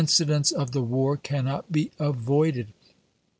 eidents of the war cannot be avoided.